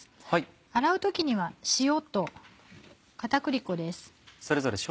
洗う時には塩と片栗粉です。